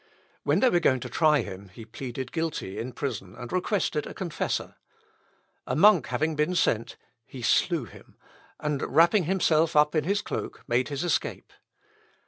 When they were going to try him he pleaded guilty in prison, and requested a confessor. A monk having been sent, he slew him, and, wrapping himself up in his cloak, made his escape.